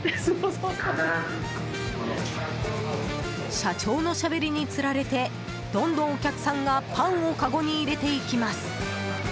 社長のしゃべりにつられてどんどん、お客さんがパンをかごに入れていきます。